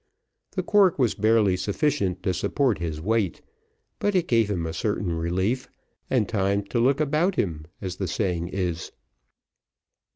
The cork was barely sufficient to support his weight, but it gave him a certain relief, and time to look about him, as the saying is.